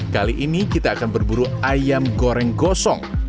kali ini kita akan berburu ayam goreng gosong